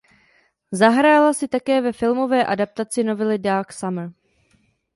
Zahrála si také ve filmové adaptaci novely Dark Summer.